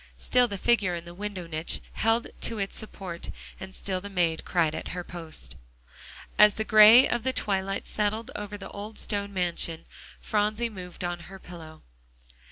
Still the figure in the window niche held to its support, and still the maid cried at her post. As the gray of the twilight settled over the old stone mansion, Phronsie moved on her pillow.